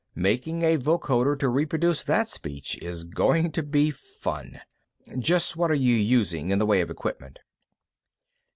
Making a vocoder to reproduce that speech is going to be fun. Just what are you using, in the way of equipment?"